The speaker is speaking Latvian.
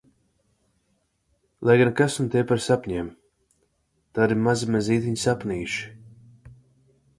Lai gan - kas nu tie par sapņiem. Tādi mazi mazītiņi sapnīši.